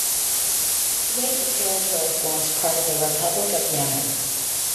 Today the territory forms part of the Republic of Yemen.